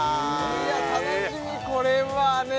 いや楽しみこれはね